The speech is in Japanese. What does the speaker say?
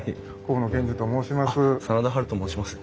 河野健司と申します。